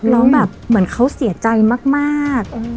น้องแบบเหมือนเขาเสียใจมาก